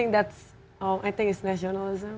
dan saya pikir itu adalah nasionalisme